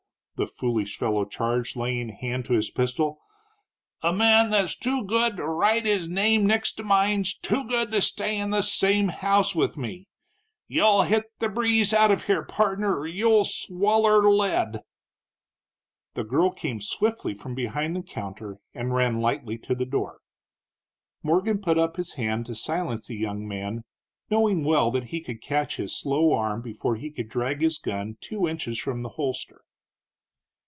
the foolish fellow charged, laying hand to his pistol. "A man that's too good to write his name next to mine's too good to stay in the same house with me. You'll hit the breeze out of here, pardner, or you'll swaller lead!" The girl came swiftly from behind the counter, and ran lightly to the door. Morgan put up his hand to silence the young man, knowing well that he could catch his slow arm before he could drag his gun two inches from the holster.